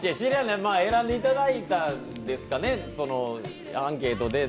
選んでいただいたんですかね、アンケートで。